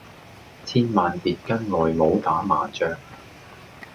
千萬別跟外母打麻將